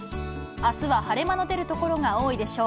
あすは晴れ間の出る所が多いでしょう。